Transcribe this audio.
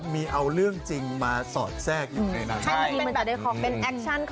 มีนะมีมีมี